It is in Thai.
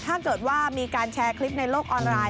ถ้าเกิดว่ามีการแชร์คลิปในโลกออนไลน์